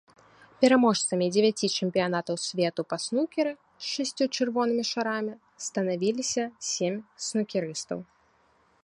Пераможцамі дзевяці чэмпіянатаў свету па снукеры з шасцю чырвонымі шарамі станавіліся сем снукерыстаў.